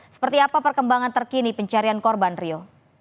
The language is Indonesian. seperti apa perkembangan terkini pencarian korban rio